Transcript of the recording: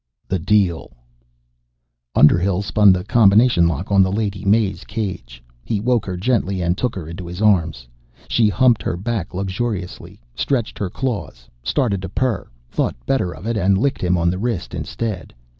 THE DEAL Underhill spun the combination lock on the Lady May's cage. He woke her gently and took her into his arms. She humped her back luxuriously, stretched her claws, started to purr, thought better of it, and licked him on the wrist instead.